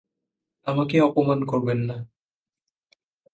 আমাকে অপমান করবেন না।